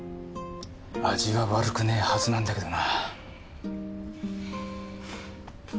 味は悪くねえはずなんだけどな。